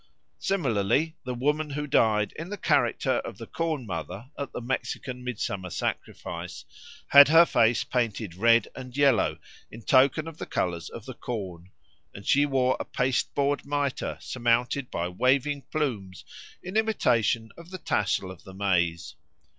Similarly the woman who died in the character of the Corn mother at the Mexican midsummer sacrifice had her face painted red and yellow in token of the colours of the corn, and she wore a pasteboard mitre surmounted by waving plumes in imitation of the tassel of the maize.